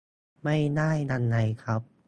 ไม่ได้ยังไงครับ